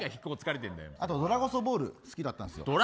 あと「ドラゴソボール」好きだったんですよ。